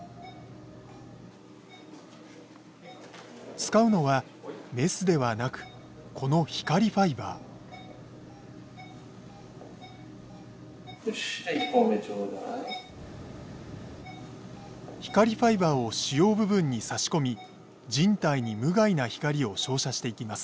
使うのはメスではなくこの光ファイバーを腫瘍部分に差し込み人体に無害な光を照射していきます。